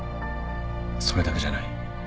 それだけじゃない。